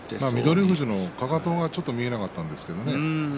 富士のかかとはちょっと見えなかったんですけどね。